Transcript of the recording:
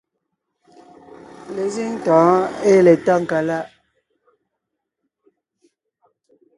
Lezíŋ tɔ̌ɔn ée le Tákaláʼ;